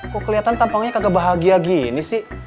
kok keliatan tampangnya kagak bahagia gini sih